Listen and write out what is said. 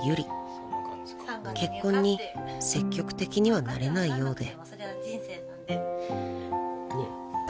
［結婚に積極的にはなれないようで］